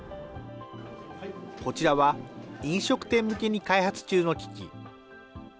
こちらは飲食店向けに開発中の機器。